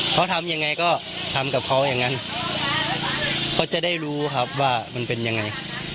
เขาทำยังไงก็ทำกับเขาอย่างนั้นเขาจะได้รู้ครับว่ามันเป็นยังไง